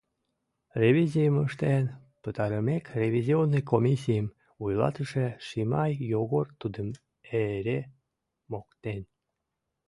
Ревизийым ыштен пытарымек, ревизионный комиссийым вуйлатыше Шимай Йогор тудым эре моктен: